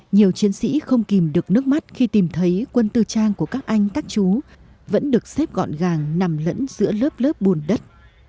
nhiều chiến sĩ không kìm được nước mắt khi tìm thấy quân tư trang của các anh các chú vẫn được xếp gọn gàng nằm lẫn giữa lớp lớp buồn đất